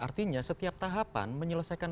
artinya setiap tahapan menyelesaikan